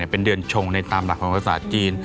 เป็นเดือนชงในตามหลักของกฎกศาสตร์จีน